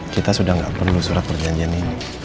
kita sudah tidak perlu surat perjanjian ini